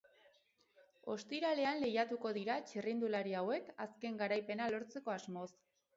Ostiralean lehiatuko dira txirrindulari hauek azken garaipena lortzeko asmoz.